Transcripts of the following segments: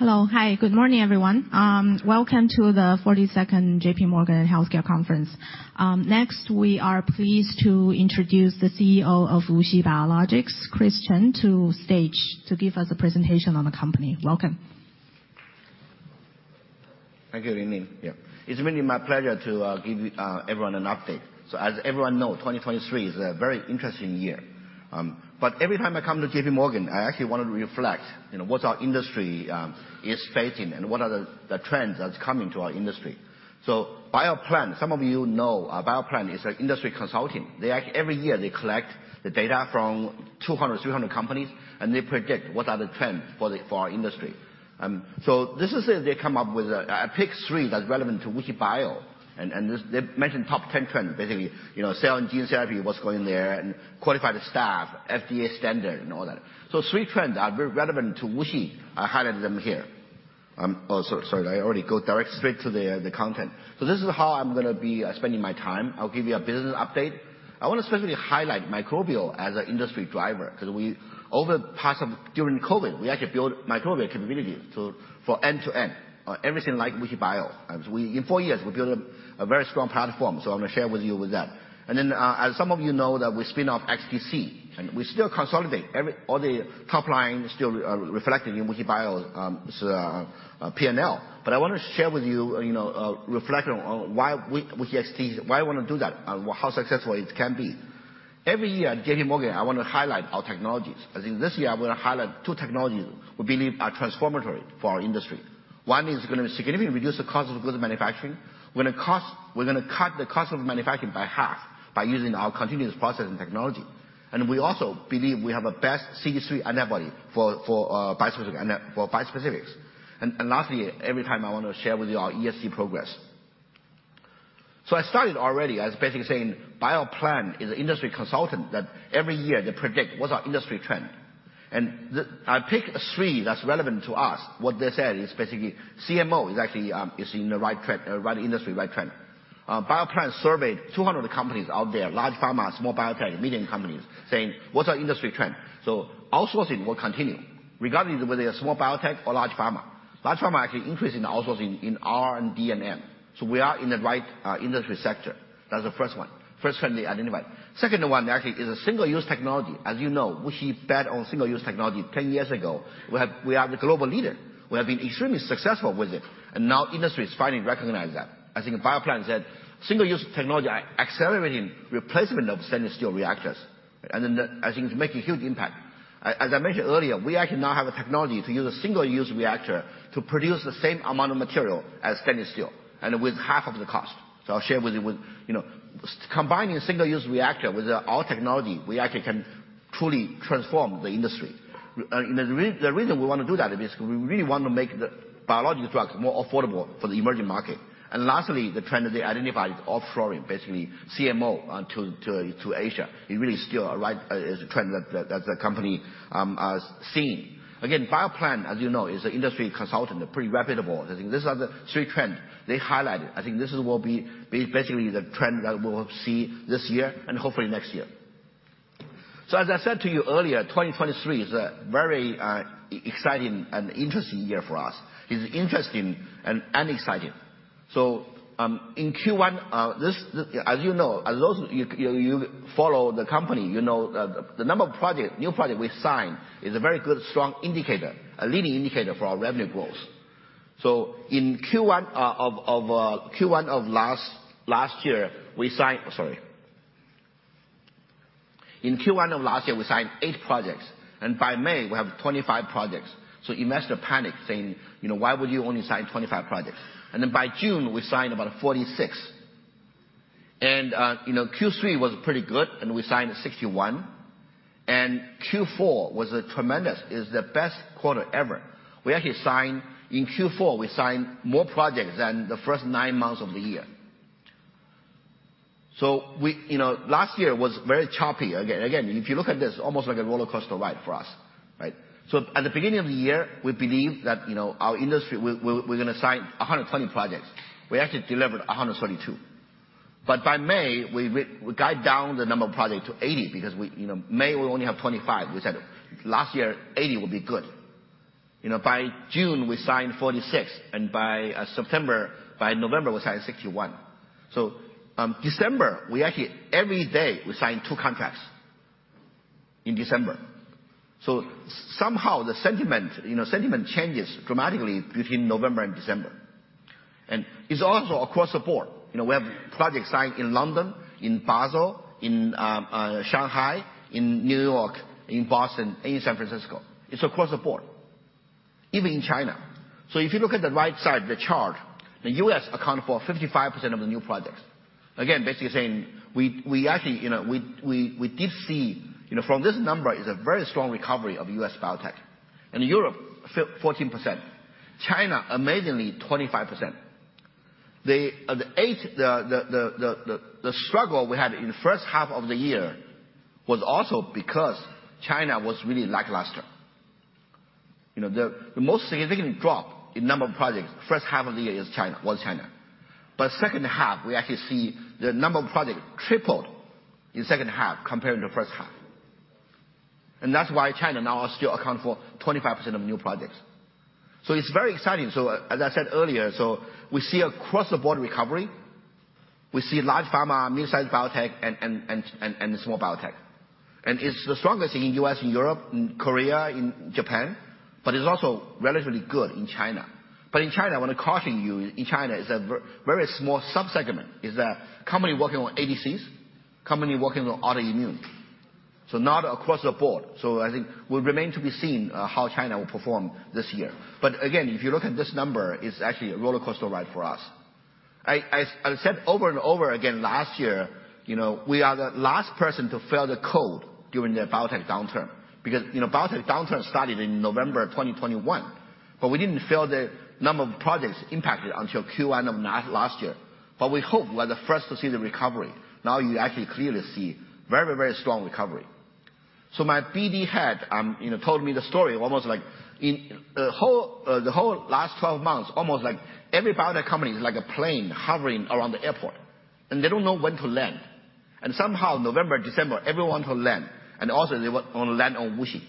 Hello. Hi, good morning, everyone. Welcome to the 42nd J.P. Morgan Healthcare Conference. Next, we are pleased to introduce the CEO of WuXi Biologics, Chris Chen, to stage to give us a presentation on the company. Welcome. Thank you, Lingling. Yeah, it's really my pleasure to give everyone an update. So as everyone know, 2023 is a very interesting year. But every time I come to J.P. Morgan, I actually want to reflect, you know, what our industry is facing, and what are the trends that's coming to our industry. So BioPlan, some of you know, BioPlan is a industry consulting. Every year, they collect the data from 200-300 companies, and they predict what are the trends for the, for our industry. So this is it. They come up with, I pick three that's relevant to WuXi Bio, and, and they mentioned top 10 trends, basically, you know, cell and gene therapy, what's going there, and qualified staff, FDA standard, and all that. So three trends are very relevant to WuXi. I highlighted them here. Oh, so, sorry, I already go direct straight to the content. So this is how I'm gonna be spending my time. I'll give you a business update. I want to specifically highlight microbial as a industry driver, 'cause we. Over the past of during COVID, we actually built microbial capabilities, so for end-to-end everything like WuXi Bio. And we, in four years, we built a very strong platform, so I'm gonna share with you with that. And then, as some of you know, that we spin off XDC, and we still consolidate. All the top line still reflecting in WuXi Bio, so P&L. But I want to share with you, you know, reflect on why WuXi XDC, why we want to do that, and how successful it can be. Every year at J.P. Morgan, I want to highlight our technologies. I think this year I'm going to highlight two technologies we believe are transformative for our industry. One is gonna significantly reduce the cost of goods manufacturing. We're gonna cut the cost of manufacturing by half by using our continuous process and technology. And we also believe we have a best CD3 antibody for bispecific for bispecifics. And lastly, every time I want to share with you our ESG progress. So I started already as basically saying BioPlan is an industry consultant, that every year, they predict what's our industry trend. And I pick three that's relevant to us. What they said is basically CMO is actually is in the right trend, right industry, right trend. BioPlan surveyed 200 companies out there, large pharma, small biotech, medium companies, saying: What's our industry trend? So outsourcing will continue, regardless of whether you're a small biotech or large pharma. Large pharma actually increase in outsourcing in R&D and M. So we are in the right, industry sector. That's the first one, first trend they identified. Second one, actually, is a single-use technology. As you know, WuXi bet on single-use technology 10 years ago. We have- we are the global leader. We have been extremely successful with it, and now industry is finally recognize that. I think BioPlan said single-use technology are accelerating replacement of stainless steel reactors, and then the- I think it's making a huge impact. As I mentioned earlier, we actually now have a technology to use a single-use reactor to produce the same amount of material as stainless steel and with half of the cost. So I'll share with you, you know, combining single-use reactor with our technology, we actually can truly transform the industry. And the reason we want to do that is because we really want to make the biological drugs more affordable for the emerging market. And lastly, the trend that they identified is offshoring, basically CMO to Asia. It really is still a trend that the company has seen. Again, BioPlan, as you know, is an industry consultant, pretty reputable. I think these are the three trends they highlighted. I think this will be basically the trend that we'll see this year and hopefully next year. So as I said to you earlier, 2023 is a very exciting and interesting year for us. It's interesting and exciting. So in Q1, as you know, as those you follow the company, you know that the number of new projects we sign is a very good, strong indicator, a leading indicator for our revenue growth. So in Q1 of last year, we signed 8 projects, and by May, we have 25 projects. So investors panic, saying, "You know, why would you only sign 25 projects?" And then by June, we signed about 46. You know, Q3 was pretty good, and we signed 61, and Q4 was a tremendous. It's the best quarter ever. We actually signed, in Q4, we signed more projects than the first 9 months of the year. So we, you know, last year was very choppy. Again, if you look at this, almost like a rollercoaster ride for us, right? So at the beginning of the year, we believe that, you know, our industry, we're gonna sign 120 projects. We actually delivered 122. But by May, we got down the number of projects to 80 because we, you know, May, we only have 25. We said, "Last year, 80 would be good." You know, by June, we signed 46, and by September, by November, we signed 61. So, December, we actually, every day, we signed two contracts in December. So somehow the sentiment, you know, sentiment changes dramatically between November and December. And it's also across the board. You know, we have projects signed in London, in Basel, in Shanghai, in New York, in Boston, in San Francisco. It's across the board, even in China. So if you look at the right side of the chart, the U.S. account for 55% of the new projects. Again, basically saying we actually, you know, we did see, you know, from this number, is a very strong recovery of U.S. biotech. In Europe, 14%. China, amazingly, 25%. The struggle we had in the first half of the year was also because China was really lackluster. You know, the most significant drop in number of projects, first half of the year, is China, was China. But second half, we actually see the number of projects tripled in second half compared to the first half. And that's why China now still account for 25% of new projects. So it's very exciting. So as I said earlier, so we see across-the-board recovery. We see large pharma, mid-sized biotech, and small biotech. And it's the strongest in U.S. and Europe, in Korea, in Japan, but it's also relatively good in China. But in China, I want to caution you, in China, it's a very small sub-segment, is a company working on ADCs, company working on autoimmune. So not across the board. So I think will remain to be seen, how China will perform this year. But again, if you look at this number, it's actually a rollercoaster ride for us. I said over and over again last year, you know, we are the last person to feel the cold during the biotech downturn. Because, you know, biotech downturn started in November 2021, but we didn't feel the number of projects impacted until Q1 of last year. But we hope we are the first to see the recovery. Now you actually clearly see very, very strong recovery. So my BD head, you know, told me the story, almost like in the whole, the whole last 12 months, almost like every biotech company is like a plane hovering around the airport, and they don't know when to land. And somehow, November, December, everyone to land, and also they want to land on WuXi.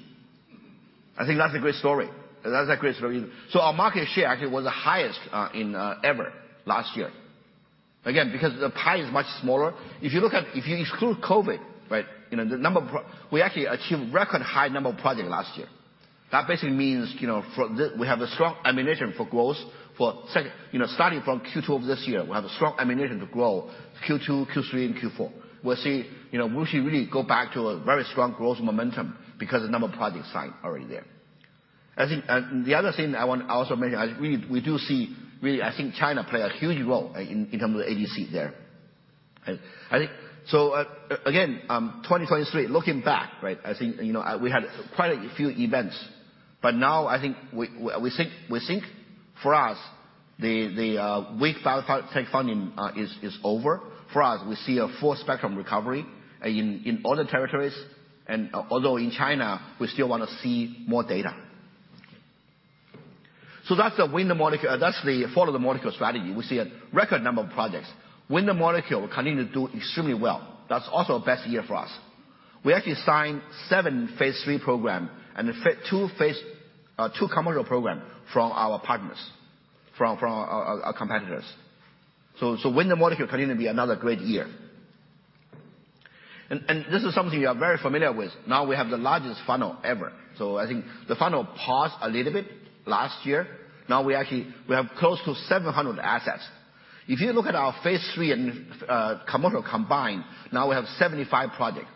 I think that's a great story. That's a great story. So our market share actually was the highest ever last year. Again, because the pie is much smaller. If you exclude COVID, right, you know, we actually achieved record high number of project last year. That basically means, you know, we have a strong ammunition for growth. For second, you know, starting from Q2 of this year, we have a strong ammunition to grow Q2, Q3, and Q4. We'll see, you know, WuXi really go back to a very strong growth momentum because the number of projects signed already there. I think, and the other thing I want to also mention, I think we do see, really, I think China play a huge role in terms of ADC there. I think. So, again, 2023, looking back, right, I think, you know, we had quite a few events, but now I think we think for us, the weak biotech funding is over. For us, we see a full spectrum recovery in all the territories, and although in China, we still want to see more data. So that's the Win-the-Molecule that's the Follow-the-Molecule strategy. We see a record number of projects. Win-the-Molecule continue to do extremely well. That's also a best year for us. We actually signed seven phase III program and two commercial program from our partners, from our competitors. So Win-the-Molecule continue to be another great year. And this is something you are very familiar with. Now we have the largest funnel ever. So I think the funnel paused a little bit last year. Now we actually, we have close to 700 assets. If you look at our phase III and commercial combined, now we have 75 projects.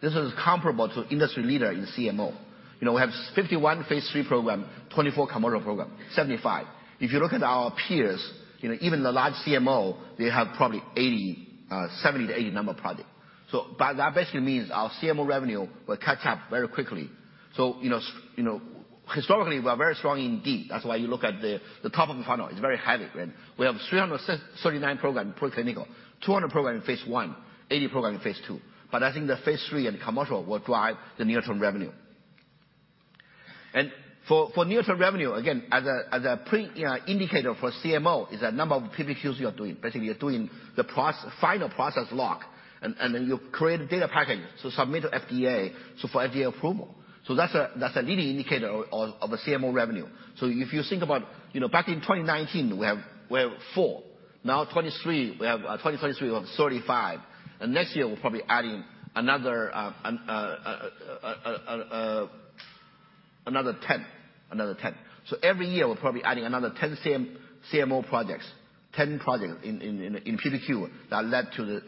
This is comparable to industry leader in CMO. You know, we have 51 phase III program, 24 commercial program, 75. If you look at our peers, you know, even the large CMO, they have probably 80, 70-80 number of projects. So by that basically means our CMO revenue will catch up very quickly. So you know, you know, historically, we are very strong indeed. That's why you look at the, the top of the funnel, it's very heavy, right? We have 339 program, preclinical, 200 program in phase I, 80 program in phase II. But I think the phase III and commercial will drive the near-term revenue. And for near-term revenue, again, as a pre-indicator for CMO, is the number of PPQs you are doing. Basically, you're doing the final process lock, and then you create a data package to submit to FDA, so for FDA approval. So that's a leading indicator of a CMO revenue. So if you think about, you know, back in 2019, we have four. Now 2023, we have 35, and next year, we're probably adding another 10. Another 10. So every year, we're probably adding another 10 CMO projects, 10 projects in PPQ that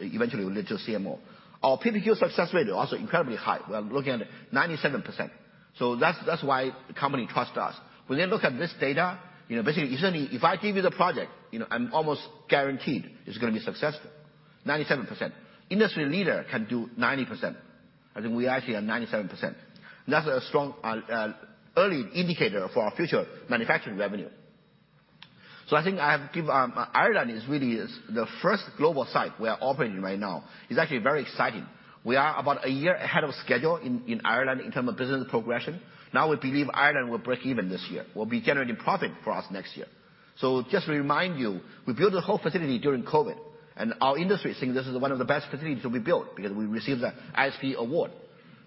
eventually will lead to CMO. Our PPQ success rate is also incredibly high. We are looking at 97%. So that's why the company trusts us. When they look at this data, you know, basically, if I give you the project, you know, I'm almost guaranteed it's gonna be successful. 97%. Industry leader can do 90%. I think we actually are 97%. That's a strong early indicator for our future manufacturing revenue. So I think I have give, Ireland is really the first global site we are operating right now. It's actually very exciting. We are about a year ahead of schedule in Ireland in term of business progression. Now, we believe Ireland will break even this year. We'll be generating profit for us next year. So just to remind you, we built the whole facility during COVID, and our industry is saying this is one of the best facilities to be built because we received the ISPE award.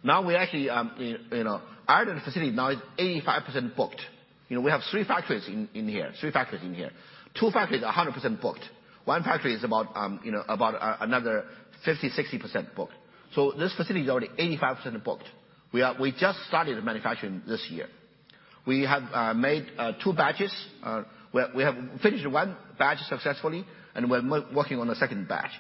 Now, we actually, you know, Ireland facility now is 85% booked. You know, we have three factories in here, three factories in here. Two factories are 100% booked. One factory is about, you know, about another 50-60% booked. So this facility is already 85% booked. We just started manufacturing this year. We have made two batches. We have finished one batch successfully, and we're working on the second batch.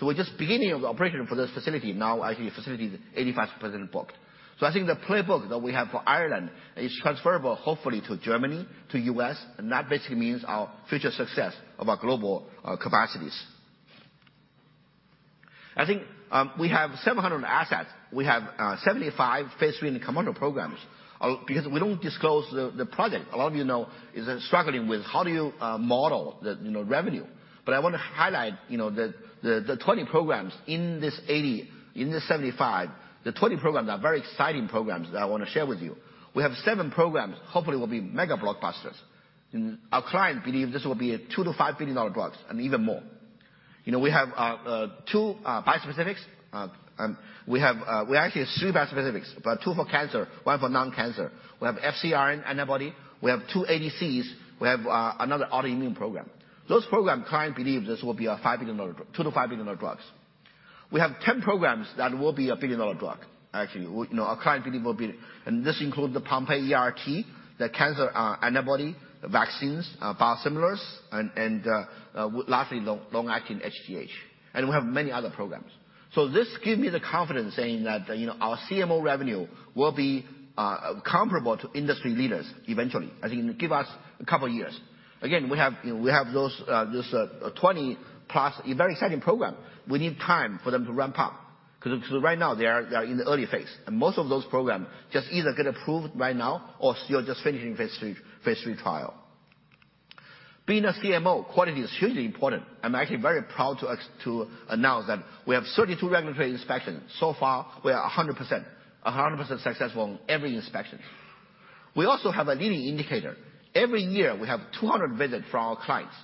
So we're just beginning operation for this facility. Now, actually, the facility is 85% booked. I think the playbook that we have for Ireland is transferable, hopefully, to Germany, to US, and that basically means our future success of our global capacities. I think we have 700 assets. We have 75 phase III in the commercial programs. Because we don't disclose the project, a lot of you know is struggling with how do you model the you know revenue? But I want to highlight you know the 20 programs in this 80, in this 75, the 20 programs are very exciting programs that I want to share with you. We have seven programs, hopefully will be mega blockbusters. And our clients believe this will be $2-$5 billion drugs and even more you know we have two bispecifics. We actually have three bispecifics, but two for cancer, one for non-cancer. We have FcRN antibody, we have two ADCs, we have another autoimmune program. Those programs, client believes this will be a $5 billion drug, $2-$5 billion drugs. We have 10 programs that will be a billion-dollar drug. Actually, we you know, our client believe will be, and this includes the Pompe ERT, the cancer antibody, vaccines, biosimilars, and lastly, long-acting HGH. And we have many other programs. So this gives me the confidence saying that, you know, our CMO revenue will be comparable to industry leaders eventually. I think give us a couple of years. Again, we have those 20+, a very exciting program. We need time for them to ramp up, because right now they are, they are in the early phase. Most of those programs just either get approved right now or still just finishing phase III, phase III trial. Being a CMO, quality is hugely important. I'm actually very proud to announce that we have 32 regulatory inspections. So far, we are 100%, 100% successful on every inspection. We also have a leading indicator. Every year, we have 200 visits from our clients.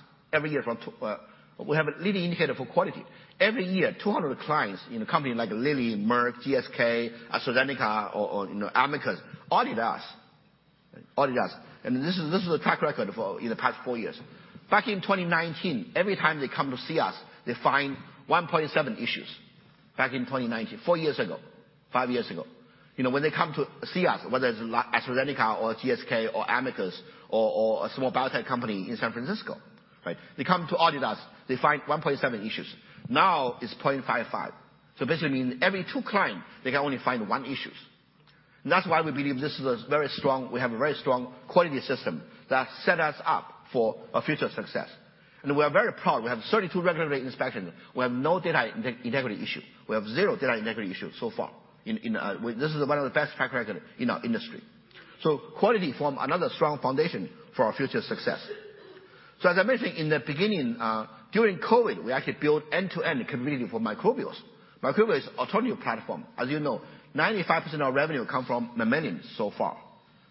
We have a leading indicator for quality. Every year, 200 clients in a company like Lilly, Merck, GSK, AstraZeneca, or, you know, Amicus audit us. Audit us. This is, this is a track record for in the past four years. Back in 2019, every time they come to see us, they find 1.7 issues. Back in 2019, four years ago, five years ago. You know, when they come to see us, whether it's AstraZeneca or GSK or Amicus or, or a small biotech company in San Francisco, right? They come to audit us, they find 1.7 issues. Now, it's 0.55. So basically mean every two clients, they can only find one issues. And that's why we believe this is a very strong. We have a very strong quality system that set us up for a future success. And we are very proud. We have 32 regulatory inspection. We have no data integrity issue. We have zero data integrity issues so far in, in, This is one of the best track record in our industry. So quality forms another strong foundation for our future success. So as I mentioned in the beginning, during COVID, we actually built end-to-end capability for microbials. Microbial is a totally new platform. As you know, 95% of revenue come from mammalian so far.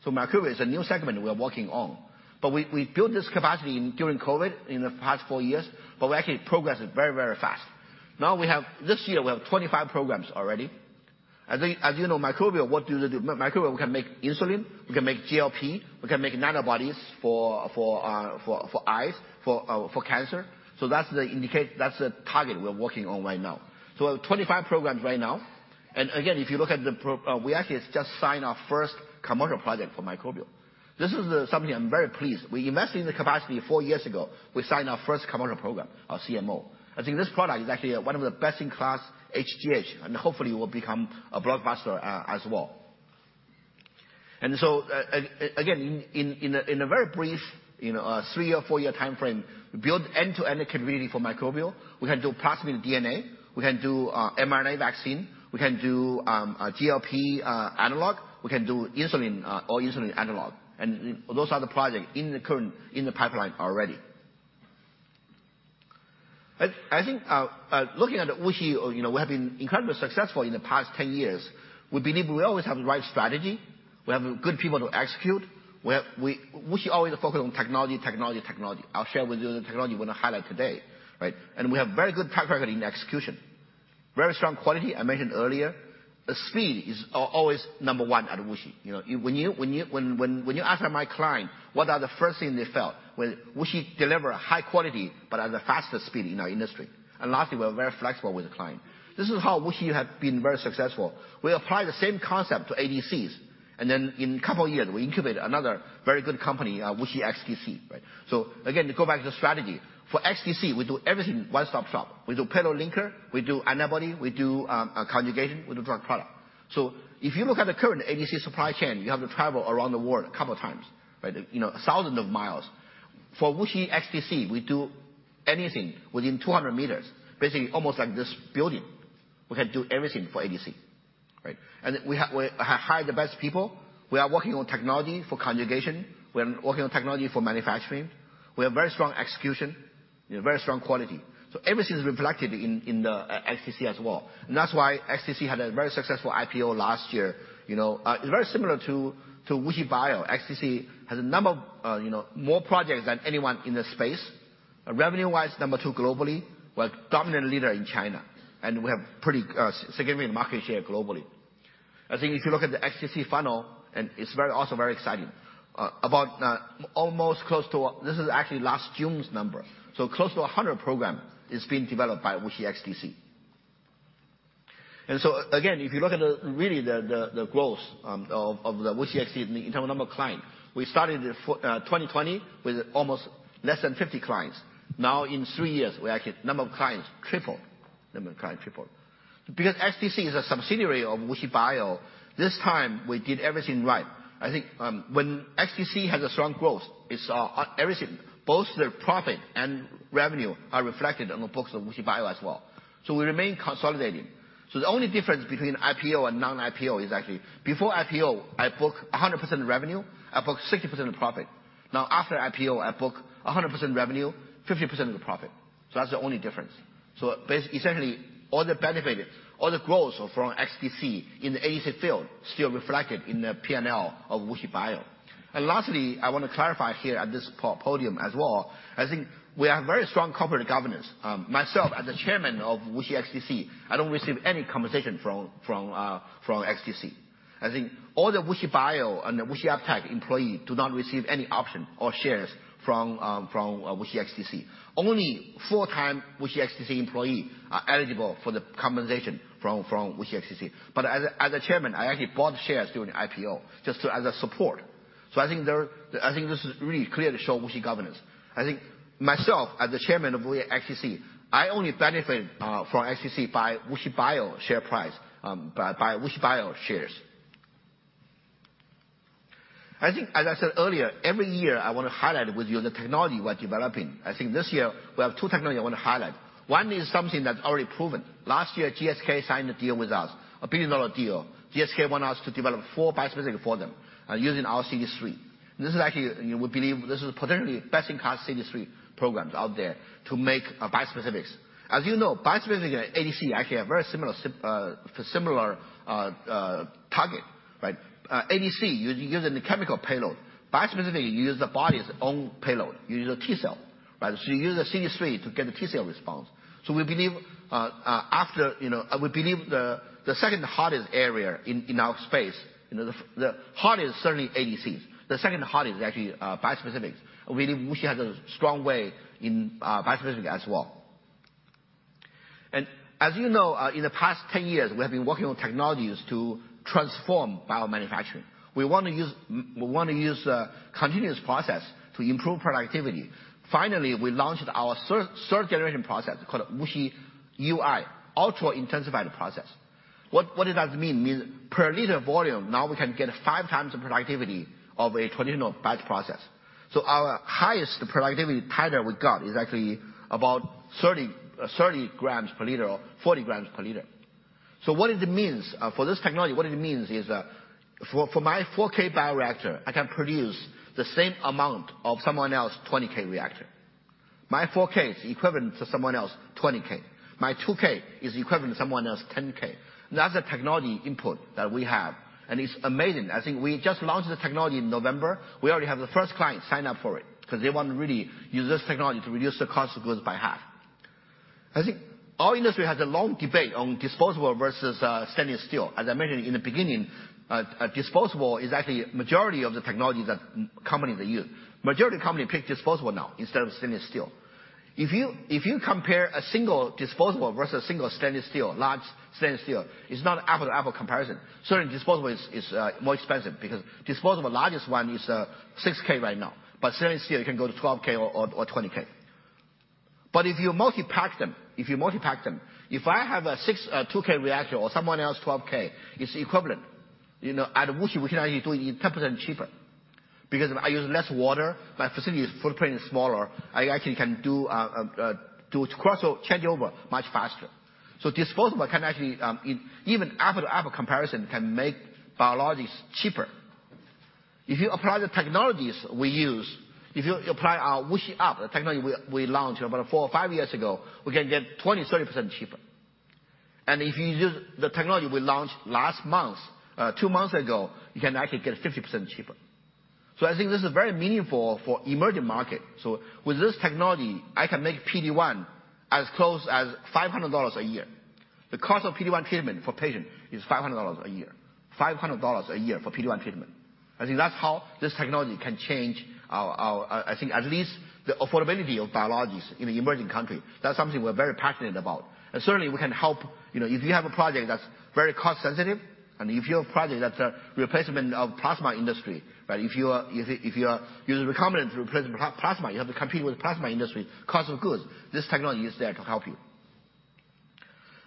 So microbial is a new segment we are working on, but we built this capacity during COVID in the past four years, but we actually progress it very, very fast. Now we have this year, we have 25 programs already. As you know, microbial, what do they do? Microbial, we can make insulin, we can make GLP, we can make nanobodies for eyes, for cancer. So that's the indicate that's the target we're working on right now. So we have 25 programs right now. And again, if you look at the pro. We actually just signed our first commercial project for microbial. This is something I'm very pleased. We invested in the capacity four years ago. We signed our first commercial program, our CMO. I think this product is actually one of the best-in-class HGH, and hopefully will become a blockbuster as well. And so, again, in a very brief, you know, three or four-year time frame, we build end-to-end capability for microbial. We can do plasmid DNA, we can do mRNA vaccine, we can do a GLP analog, we can do insulin or insulin analog. And those are the projects in the current pipeline already. I think, looking at WuXi, you know, we have been incredibly successful in the past 10 years. We believe we always have the right strategy. We have good people to execute. We have WuXi always focus on technology, technology, technology. I'll share with you the technology we're going to highlight today, right? And we have very good track record in execution. Very strong quality, I mentioned earlier. The speed is always number one at WuXi. You know, when you ask my client, what are the first thing they felt? Well, WuXi deliver high quality, but at the fastest speed in our industry. And lastly, we're very flexible with the client. This is how WuXi have been very successful. We apply the same concept to ADCs, and then in a couple of years, we incubated another very good company, WuXi XDC, right? So again, to go back to the strategy, for XDC, we do everything one-stop shop. We do payload linker, we do antibody, we do a conjugation, we do drug product. So if you look at the current ADC supply chain, you have to travel around the world a couple of times, right? You know, thousands of miles. For WuXi XDC, we do anything within 200 meters, basically, almost like this building. We can do everything for ADC, right? And we hire the best people. We are working on technology for conjugation. We are working on technology for manufacturing. We have very strong execution, very strong quality. So everything is reflected in the XDC as well. And that's why XDC had a very successful IPO last year. You know, it's very similar to WuXi Bio. XDC has a number of, you know, more projects than anyone in the space. Revenue-wise, number two globally, we're dominant leader in China, and we have pretty significant market share globally. I think if you look at the XDC funnel, and it's very also very exciting about almost close to. This is actually last June's number. So close to 100 program is being developed by WuXi XDC. And so again, if you look at really the growth of the WuXi XDC in terms of number of client, we started in 2020 with almost less than 50 clients. Now, in three years, we actually number of clients triple. Number of clients triple. Because XDC is a subsidiary of WuXi Bio, this time we did everything right. I think, when XDC has a strong growth, it's everything, both the profit and revenue are reflected on the books of WuXi Bio as well. So we remain consolidated. So the only difference between IPO and non-IPO is actually, before IPO, I book 100% revenue, I book 60% of profit. Now, after IPO, I book 100% revenue, 50% of the profit. So that's the only difference. So essentially, all the benefit, all the growth from XDC in the ADC field still reflected in the P&L of WuXi Bio. And lastly, I want to clarify here at this podium as well, I think we have very strong corporate governance. Myself, as the chairman of WuXi XDC, I don't receive any compensation from XDC. I think all the WuXi Bio and the WuXi Biologics employee do not receive any option or shares from WuXi XDC. Only full-time WuXi XDC employee are eligible for the compensation from WuXi XDC. But as a chairman, I actually bought shares during the IPO, just to as a support. So I think there, I think this is really clear to show WuXi governance. I think myself, as the chairman of WuXi XDC, I only benefit from XDC by WuXi Bio share price, by WuXi Bio shares. I think, as I said earlier, every year, I want to highlight with you the technology we're developing. I think this year we have two technology I want to highlight. One is something that's already proven. Last year, GSK signed a deal with us, a $1 billion deal. GSK want us to develop 4 bispecific for them, using our CD3. This is actually, you would believe this is potentially best-in-class CD3 programs out there to make bispecifics. As you know, bispecific and ADC actually have very similar target, right? ADC, you use a chemical payload. Bispecific, you use the body's own payload, you use a T-cell, right? So you use a CD3 to get a T-cell response. So we believe the second hardest area in our space, you know, the hardest is certainly ADCs. The second hardest is actually bispecifics. We believe WuXi has a strong way in bispecific as well. And as you know, in the past 10 years, we have been working on technologies to transform biomanufacturing. We want to use a continuous process to improve productivity. Finally, we launched our third generation process, called WuXiUI, ultra-intensified process. What does it mean? Means per liter volume, now we can get five times the productivity of a traditional batch process. So our highest productivity titer we got is actually about 30, 30 grams per liter or 40 grams per liter. So what it means for this technology, what it means is, for my 4K bioreactor, I can produce the same amount of someone else's 20K reactor. My 4K is equivalent to someone else 20K. My 2K is equivalent to someone else 10K. That's the technology input that we have, and it's amazing. I think we just launched the technology in November. We already have the first client sign up for it, 'cause they want to really use this technology to reduce the cost of goods by half. I think our industry has a long debate on disposable versus stainless steel. As I mentioned in the beginning, disposable is actually majority of the technologies that companies they use. Majority of company pick disposable now instead of stainless steel. If you compare a single disposable versus a single stainless steel, large stainless steel, it's not an apples to apples comparison. Certainly, disposable is more expensive because disposable largest one is 6K right now, but stainless steel can go to 12K or 20K. But if you multi-pack them, if I have a six, a 2K reactor or someone else, 12K, it's equivalent. You know, at WuXi, we can actually do it 10% cheaper. Because I use less water, my facility's footprint is smaller. I actually can do cross changeover much faster. So disposable can actually in even apple-to-apple comparison, can make biologics cheaper. If you apply the technologies we use, if you apply our WuXiUP, the technology we launched about four or five years ago, we can get 20%-30% cheaper. And if you use the technology we launched last month, two months ago, you can actually get 50% cheaper. So I think this is very meaningful for emerging market. So with this technology, I can make PD-1 as close as $500 a year. The cost of PD-1 treatment for patient is $500 a year. $500 a year for PD-1 treatment. I think that's how this technology can change our. I think at least the affordability of biologics in the emerging country. That's something we're very passionate about. Certainly, we can help, you know, if you have a project that's very cost sensitive, and if you have a project that's a replacement of plasma industry, right? If you are using recombinant replacement plasma, you have to compete with the plasma industry cost of goods. This technology is there to help you.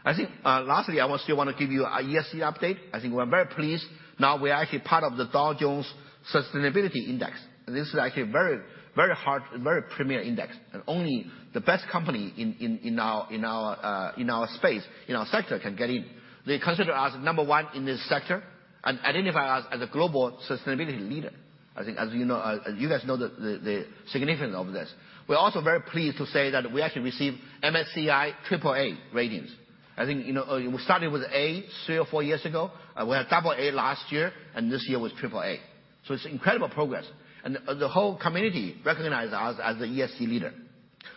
I think, lastly, I still want to give you an ESG update. I think we're very pleased. Now, we are actually part of the Dow Jones Sustainability Index, and this is actually a very, very hard, very premier index, and only the best company in our space, in our sector can get in. They consider us number one in this sector and identify us as a global sustainability leader. I think, as you know, you guys know the significance of this. We're also very pleased to say that we actually received MSCI AAA ratings. I think, you know, we started with A three or four years ago, we had double A last year, and this year was triple A. So it's incredible progress, and the whole community recognizes us as an ESG leader.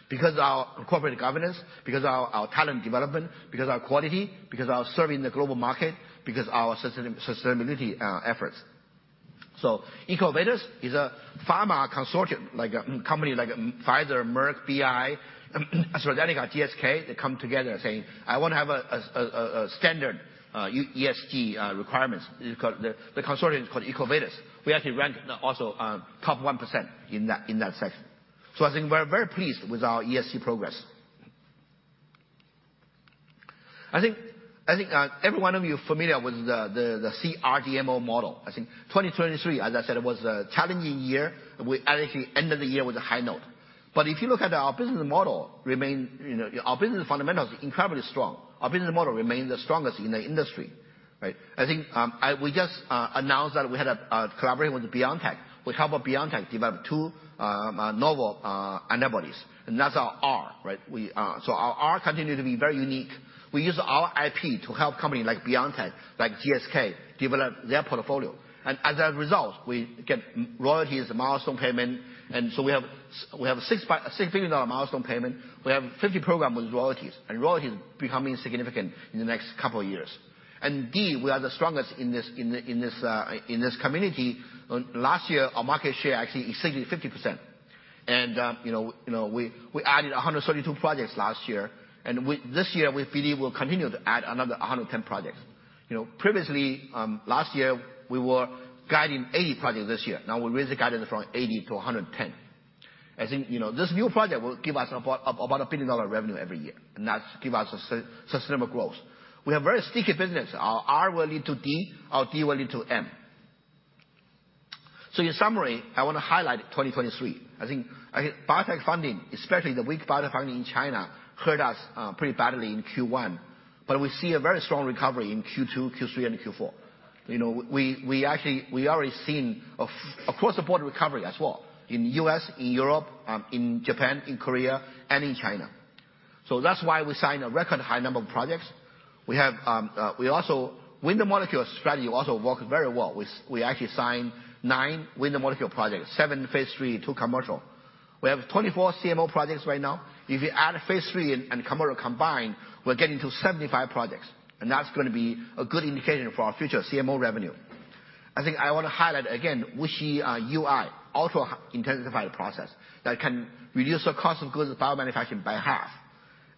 Because our corporate governance, because our talent development, because our quality, because our serving the global market, because our sustainability efforts. So EcoVadis is a pharma consortium, like a company like Pfizer, Merck, BI, AstraZeneca, GSK. They come together saying, "I want to have a standard ESG requirements." It's called the consortium is called EcoVadis. We actually ranked also top 1% in that section. So I think we're very pleased with our ESG progress. I think every one of you familiar with the CRDMO model. I think 2023, as I said, was a challenging year. We actually ended the year with a high note. But if you look at our business model remain, you know, our business fundamentals are incredibly strong. Our business model remains the strongest in the industry. Right. I think we just announced that we had a collaboration with BioNTech. We help BioNTech develop two novel antibodies, and that's our R, right? We so our R continue to be very unique. We use our IP to help company like BioNTech, like GSK, develop their portfolio. And as a result, we get royalties and milestone payment. And so we have a six-figure dollar milestone payment. We have 50 programs with royalties, and royalties becoming significant in the next couple of years. And we are the strongest in this community. Last year, our market share actually exceeded 50%. And you know, you know, we added 132 projects last year, and this year, we believe we'll continue to add another 110 projects. You know, previously, last year, we were guiding 80 projects this year. Now we raised the guidance from 80 to 110. I think, you know, this new project will give us about a $1 billion revenue every year, and that gives us sustainable growth. We have very sticky business. Our R will lead to D, our D will lead to M. In summary, I want to highlight 2023. I think biotech funding, especially the weak biotech funding in China, hurt us pretty badly in Q1, but we see a very strong recovery in Q2, Q3, and Q4. You know, we actually already seen a full across-the-board recovery as well, in U.S., in Europe, in Japan, in Korea, and in China. That's why we signed a record high number of projects. We also Win-the-Molecule strategy also worked very well. We actually signed nine Win-the-Molecule projects, seven phase III, two commercial. We have 24 CMO projects right now. If you add phase III and commercial combined, we're getting to 75 projects, and that's gonna be a good indication for our future CMO revenue. I think I want to highlight again, WuXiUI, ultra-intensified process, that can reduce the cost of goods biomanufacturing by half.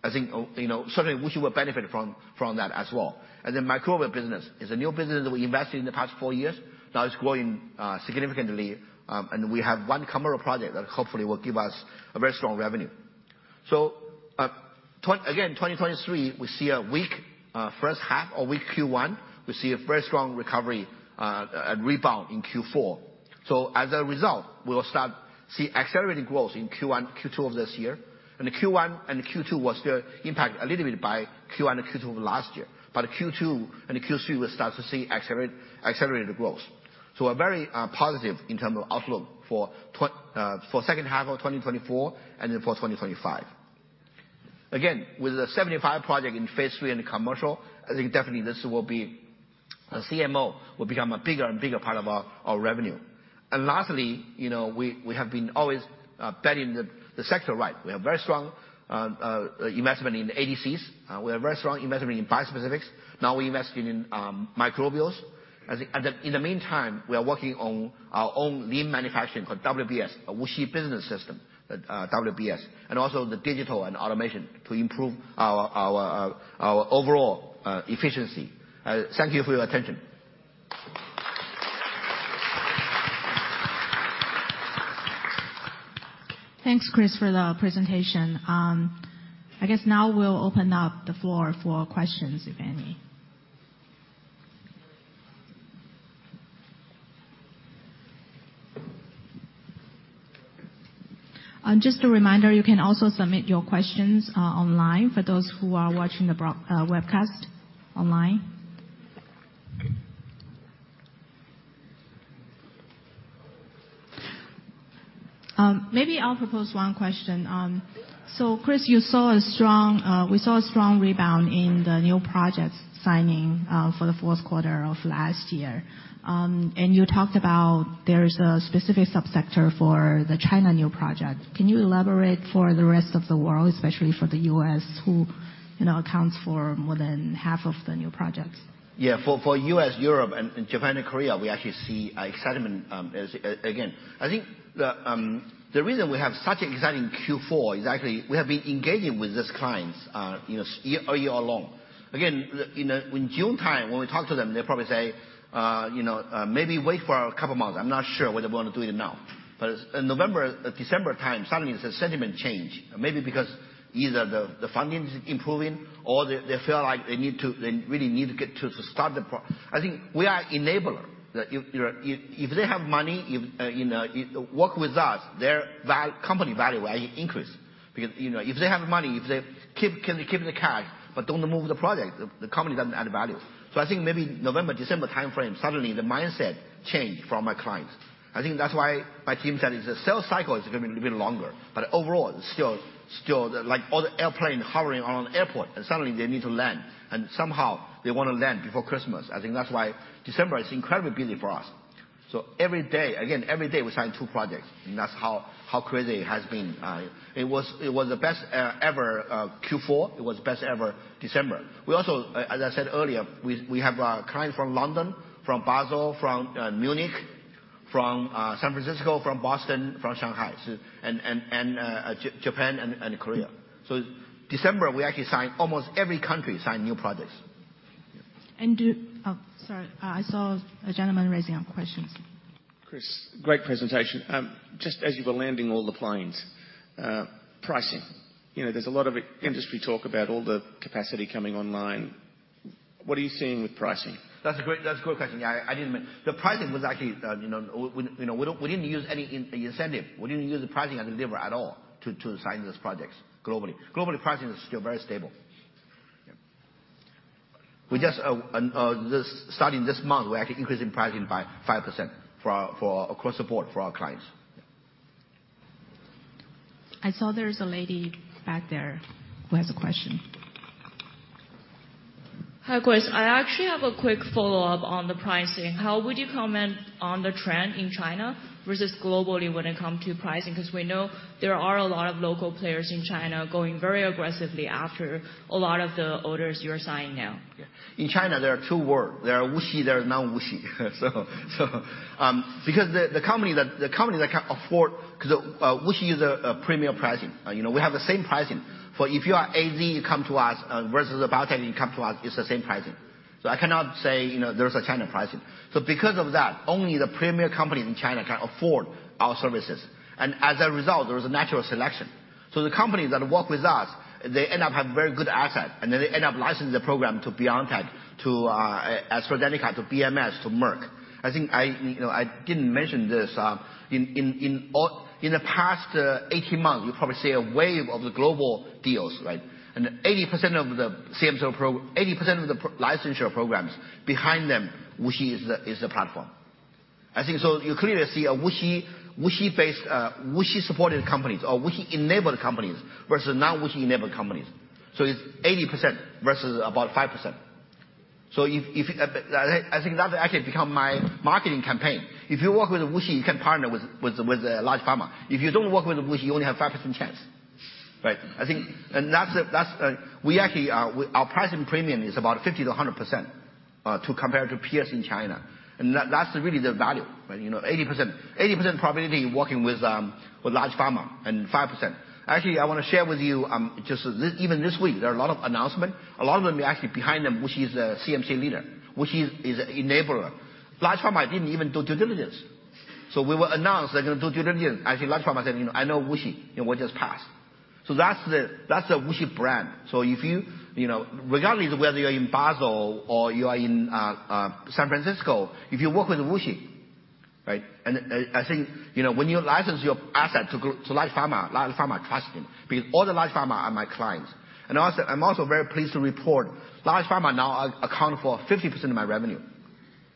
I think, oh, you know, certainly WuXi will benefit from, from that as well. And then microbial business is a new business that we invested in the past four years. Now it's growing significantly, and we have one commercial project that hopefully will give us a very strong revenue. So, again, 2023, we see a weak first half or weak Q1. We see a very strong recovery and rebound in Q4. So as a result, we will start to see accelerated growth in Q1, Q2 of this year. And the Q1 and Q2 was still impacted a little bit by Q1 and Q2 of last year. But Q2 and Q3, we'll start to see accelerated growth. So we're very positive in terms of outlook for second half of 2024 and then for 2025. Again, with the 75 project in phase III and commercial, I think definitely this will be. A CMO will become a bigger and bigger part of our revenue. And lastly, you know, we have been always betting the sector right. We have very strong investment in ADCs. We have very strong investment in bispecifics. Now we're investing in microbials. I think and then, in the meantime, we are working on our own lean manufacturing called WBS, WuXi Business System, WBS, and also the digital and automation to improve our overall efficiency. Thank you for your attention. Thanks, Chris, for the presentation. I guess now we'll open up the floor for questions, if any. Just a reminder, you can also submit your questions online, for those who are watching the webcast online. Maybe I'll propose one question. So Chris, you saw a strong we saw a strong rebound in the new projects signing for the fourth quarter of last year. And you talked about there is a specific subsector for the China new project. Can you elaborate for the rest of the world, especially for the U.S., who, you know, accounts for more than half of the new projects? Yeah. For US, Europe and Japan and Korea, we actually see excitement again. I think the reason we have such exciting Q4 is actually we have been engaging with these clients, you know, year or year long. Again, in June time, when we talk to them, they probably say, "You know, maybe wait for a couple of months. I'm not sure whether I want to do it now." But in November, December time, suddenly the sentiment changed. Maybe because either the funding is improving or they feel like they really need to get to start. I think we are enabler. That if, you know, if they have money, you know, work with us, their company value will increase. Because, you know, if they have money, if they keep the cash, but don't move the project, the company doesn't add value. So I think maybe November, December timeframe, suddenly the mindset changed from my clients. I think that's why my team said is the sales cycle is gonna be a little bit longer, but overall, it's still like all the airplane hovering on airport, and suddenly they need to land, and somehow they want to land before Christmas. I think that's why December is incredibly busy for us. So every day, again, every day we sign two projects, and that's how crazy it has been. It was the best ever Q4. It was the best ever December. We also, as I said earlier, we have a client from London, from Basel, from Munich, from San Francisco, from Boston, from Shanghai, so and Japan and Korea. So December, we actually signed almost every country, signed new projects. Oh, sorry, I saw a gentleman raising up questions. Chris, great presentation. Just as you were landing all the planes, pricing. You know, there's a lot of industry talk about all the capacity coming online. What are you seeing with pricing? That's a good question. Yeah, I didn't mean, The pricing was actually, you know, we didn't use any incentive. We didn't use the pricing as a lever at all to sign these projects globally. Globally, pricing is still very stable. We just, starting this month, we're actually increasing pricing by 5% across the board for our clients. I saw there's a lady back there who has a question. Hi, Chris. I actually have a quick follow-up on the pricing. How would you comment on the trend in China versus globally when it comes to pricing? Because we know there are a lot of local players in China going very aggressively after a lot of the orders you are signing now. Yeah. In China, there are two worlds. There are WuXi, there are non-WuXi. So, because the company that can afford because WuXi is a premier pricing. You know, we have the same pricing. For if you are AZ, you come to us, versus the biotech, you come to us, it's the same pricing. So I cannot say, you know, there's a China pricing. So because of that, only the premier companies in China can afford our services. And as a result, there is a natural selection. So the companies that work with us, they end up having very good assets, and then they end up licensing the program to BioNTech, to AstraZeneca, to BMS, to Merck. I think I, you know, I didn't mention this, in the past, 18 months, you probably see a wave of the global deals, right? And 80% of the CMC. 80% of the licensor programs behind them, WuXi is the, is the platform. I think so you clearly see a WuXi, WuXi-based, WuXi-supported companies or WuXi-enabled companies versus non-WuXi-enabled companies. So it's 80% versus about 5%. So if, if, I think that actually become my marketing campaign. If you work with WuXi, you can partner with large pharma. If you don't work with WuXi, you only have 5% chance, right? I think. And that's a, that's, we actually are- our pricing premium is about 50%-100%, to compare to peers in China. And that, that's really the value, right? You know, 80%. 80% probability working with large pharma and 5%. Actually, I want to share with you just this, even this week, there are a lot of announcement. A lot of them are actually behind them, WuXi is a CMC leader. WuXi is an enabler. Large pharma didn't even do due diligence. So we will announce they're going to do due diligence. Actually, large pharma said, "You know, I know WuXi, and we'll just pass." So that's the, that's the WuXi brand. So if you, you know, regardless of whether you're in Basel or you are in San Francisco, if you work with WuXi, right? And I, I think, you know, when you license your asset to g- to large pharma, large pharma trust him, because all the large pharma are my clients. And also, I'm also very pleased to report, large pharma now accounts for 50% of my revenue.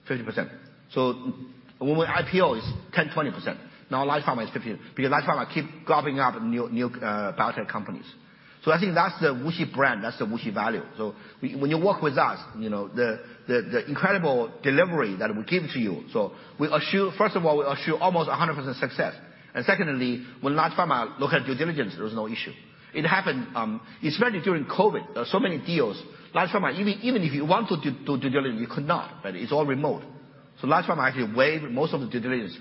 50%. So when we IPO, it's 10, 20%. Now, large pharma is 50, because large pharma keep gobbling up new biotech companies. So I think that's the WuXi brand, that's the WuXi value. So when you work with us, you know, the incredible delivery that we give to you, so we assure, first of all, we assure almost 100% success. And secondly, when large pharma look at due diligence, there is no issue. It happened, especially during COVID. There are so many deals. Large pharma, even if you want to do due diligence, you could not, but it's all remote. So large pharma actually waived most of the due diligence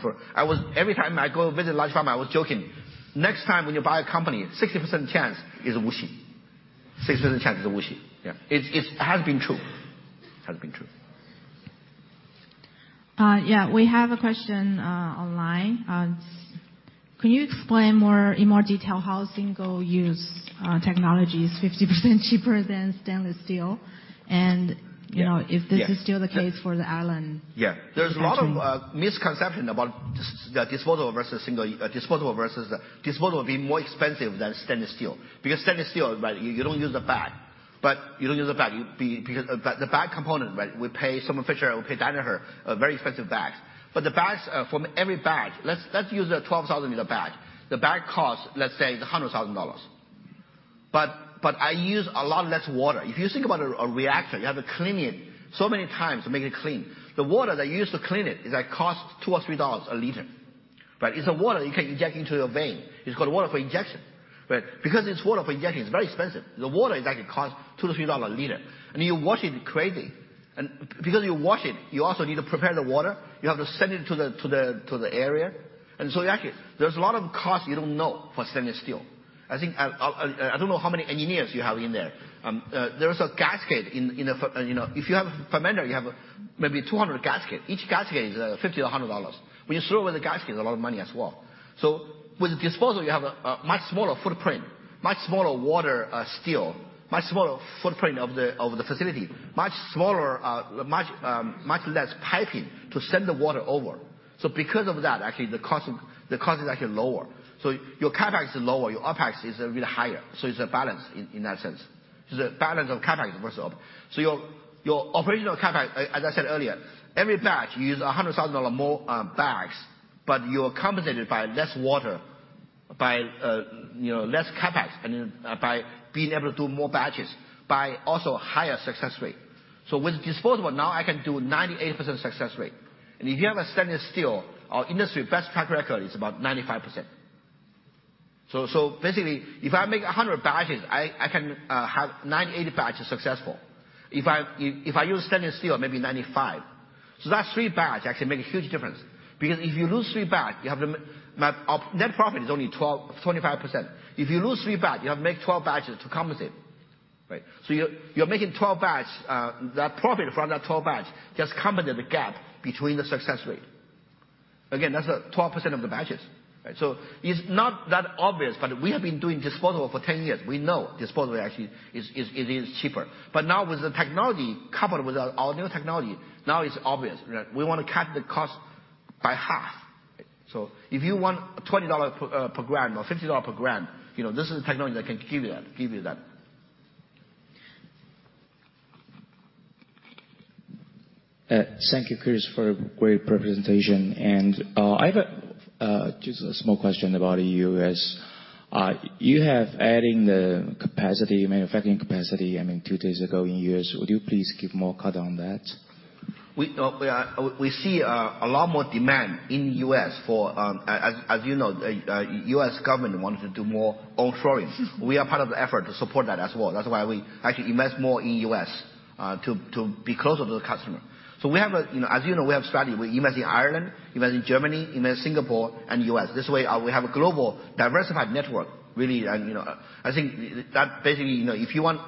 for. I was every time I go visit large pharma, I was joking: "Next time when you buy a company, 60% chance is WuXi. 60% chance is WuXi." Yeah, it's, it has been true. Has been true. Yeah, we have a question online. Can you explain more, in more detail how single-use technology is 50% cheaper than stainless steel? And, you know if this is still the case for the Ireland? Yeah. There's a lot of misconception about disposable versus single, disposable versus. Disposable be more expensive than stainless steel. Because stainless steel, right, you don't use the bag, but you don't use the bag. Because the bag component, right, we pay Thermo Fisher or pay Danaher, very expensive bags. But the bags, from every bag, let's, let's use a 12,000-liter bag. The bag costs, let's say, $100,000. But, but I use a lot less water. If you think about a reactor, you have to clean it so many times to make it clean. The water that you use to clean it, it like cost $2-$3 a liter. Right. It's a water you can inject into your vein. It's called water for injection, right? Because it's water for injection, it's very expensive. The water is actually cost $2-$3 a liter. And you wash it crazy. And because you wash it, you also need to prepare the water. You have to send it to the area. And so actually, there's a lot of costs you don't know for stainless steel. I think, I don't know how many engineers you have in there. There is a cascade in the pH- you know, if you have a fermenter, you have maybe 200 cascade. Each cascade is $50-$100. When you throw away the cascade, a lot of money as well. So with disposable, you have a much smaller footprint, much smaller water, steel, much smaller footprint of the facility, much less piping to send the water over. So because of that, actually, the cost, the cost is actually lower. So your CapEx is lower, your OpEx is a bit higher, so it's a balance in that sense. So the balance of CapEx versus OpEx. So your operational CapEx, as I said earlier, every batch, you use $100,000 more bags, but you're compensated by less water, by you know, less CapEx, and then by being able to do more batches, by also higher success rate. So with disposable, now I can do 98% success rate. And if you have a stainless steel, our industry best track record is about 95%. So basically, if I make 100 batches, I can have 98 batches successful. If I use stainless steel, maybe 95. So three batch actually make a huge difference, because if you lose three batch, you have to my op, net profit is only 12%-25%. If you lose three batch, you have to make 12 batches to compensate, right? So you're making 12 batch, that profit from that 12 batch just compensate the gap between the success rate. Again, that's 12% of the batches, right? So it's not that obvious, but we have been doing disposable for 10 years. We know disposable actually is cheaper. But now with the technology, coupled with our new technology, now it's obvious, right? We want to cut the cost by half. So if you want a $20 per gram or $50 per gram, you know, this is a technology that can give you that, give you that. Thank you, Chris, for a great presentation. I have a just a small question about U.S. You have adding the capacity, manufacturing capacity, I mean, two days ago in U.S. Would you please give more color on that? We see a lot more demand in the U.S. for. As you know, U.S. government wanted to do more onshoring. We are part of the effort to support that as well. That's why we actually invest more in U.S., to be closer to the customer. So we have, you know, as you know, we have strategy. We invest in Ireland, invest in Germany, invest Singapore and U.S. This way, we have a global diversified network, really, and you know, I think that basically, you know, if you want.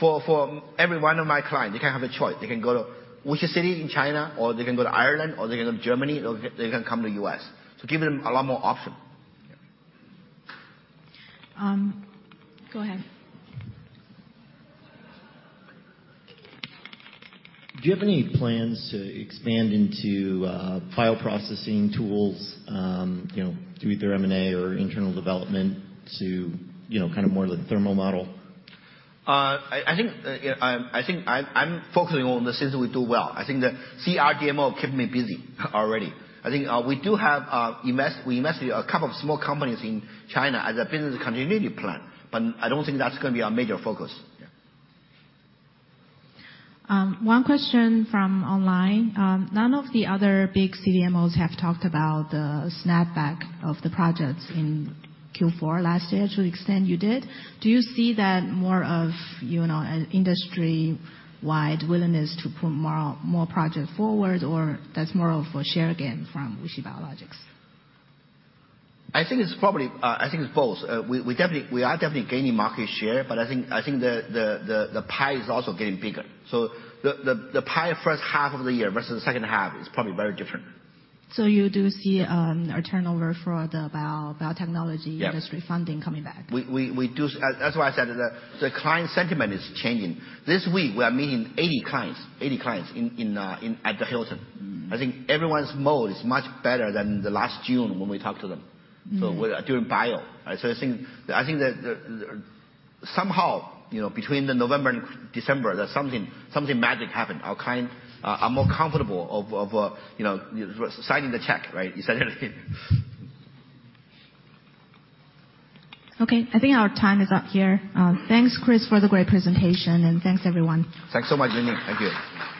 For every one of my client, they can have a choice. They can go to which cities in China, or they can go to Ireland, or they can go to Germany, or they can come to U.S. To give them a lot more option. Go ahead. Do you have any plans to expand into bioprocessing tools, you know, kind of more like the Thermo model? I think I'm focusing on the things that we do well. I think the CRDMO kept me busy already. I think we do have we invested a couple of small companies in China as a business continuity plan, but I don't think that's gonna be our major focus. Yeah. One question from online. None of the other big CDMOs have talked about the snapback of the projects in Q4 last year to the extent you did. Do you see that more of, you know, an industry-wide willingness to put more, more project forward, or that's more of a share gain from WuXi Biologics? I think it's probably, I think it's both. We definitely are gaining market share, but I think the pie is also getting bigger. So the pie first half of the year versus the second half is probably very different. So you do see a turnover for the biotechnology industry funding coming back? We do. That's why I said the client sentiment is changing. This week, we are meeting 80 clients, 80 clients in at the Hilton. I think everyone's mode is much better than the last June when we talked to them. We're doing bio. I think, I think that somehow, you know, between the November and December, that something, something magic happened. Our client are, are more comfortable of, of, you know, signing the check, right? Essentially. Okay, I think our time is up here. Thanks, Chris, for the great presentation, and thanks, everyone. Thanks so much, Lingling. Thank you.